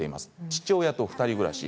父親と２人暮らし。